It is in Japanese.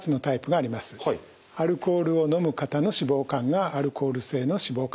アルコールを飲む方の脂肪肝がアルコール性の脂肪肝。